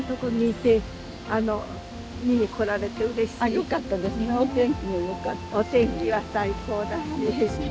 よかったですね。